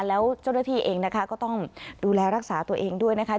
แล้วเจ้าหน้าที่เองนะคะก็ต้องดูแลรักษาตัวเองด้วยนะคะ